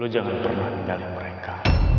lo jangan pernah tinggalin mereka